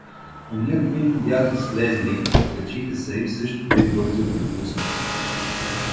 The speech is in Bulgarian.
Ония, които бяха слезли, качиха се и също тъй бързо препуснаха.